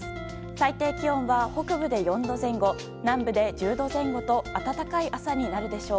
最低気温は北部で４度前後南部で１０度前後と暖かい朝になるでしょう。